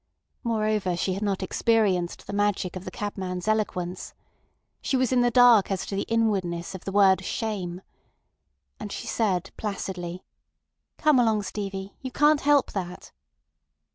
Moreover, she had not experienced the magic of the cabman's eloquence. She was in the dark as to the inwardness of the word "Shame." And she said placidly: "Come along, Stevie. You can't help that."